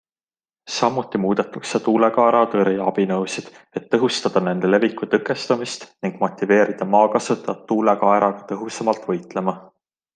Samuti muudetakse tuulekaera tõrjeabinõusid, et tõhustada nende leviku tõkestamist ning motiveerida maakasutajat tuulekaeraga tõhusamalt võitlema..